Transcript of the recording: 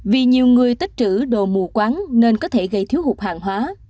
vì nhiều người tích trữ đồ mù quán nên có thể gây thiếu hụt hàng hóa